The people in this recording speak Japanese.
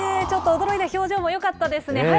ちょっと驚いた表情もよかったですね。